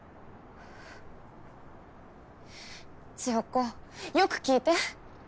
千世子よく聞いて。